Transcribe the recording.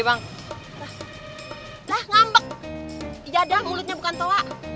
iya dong mulutnya bukan tua